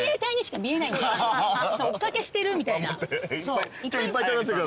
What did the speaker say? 追っ掛けしてるみたいな。